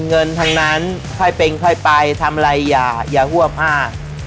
เงินทั้งนั้นค่อยเป็นค่อยไปทำอะไรอย่าอย่าหวบห้า